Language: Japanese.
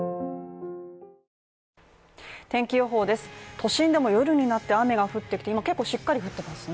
都心でも夜になって雨が降ってきて今、結構しっかり降っていますね。